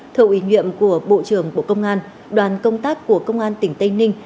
thợ ủy nhiệm của bộ trưởng bộ công an đoàn công tác của công an tỉnh tây ninh